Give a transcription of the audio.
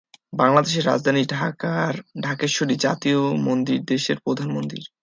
বাংলাদেশের রাজধানী ঢাকার ঢাকেশ্বরী জাতীয় মন্দির দেশের প্রধান মন্দির।